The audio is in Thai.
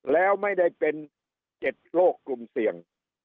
แล้วไม่ได้เป็น๗โรคกลุ่มเสี่ยง